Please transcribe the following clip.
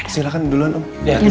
silahkan duluan om